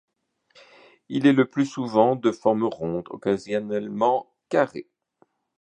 Il est le plus souvent de forme ronde, occasionnellement carré.